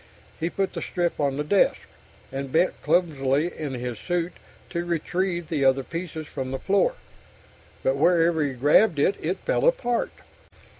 He put the strip on the desk, and bent clumsily in his suit to retrieve the other pieces from the floor. But wherever he grabbed it, it fell apart.